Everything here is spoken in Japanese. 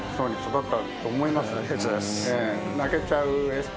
ありがとうございます。